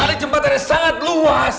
ada jembatannya sangat luas